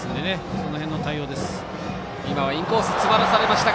その辺の対応です。